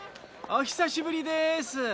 おひさしぶりです。